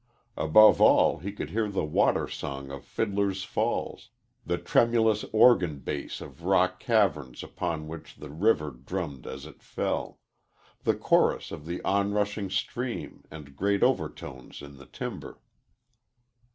Above all he could hear the water song of Fiddler's Falls the tremulous, organ bass of rock caverns upon which the river drummed as it fell, the chorus of the on rushing stream and great overtones in the timber.